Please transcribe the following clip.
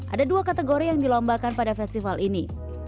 ada dua kategori yang dilombakan pada festival ini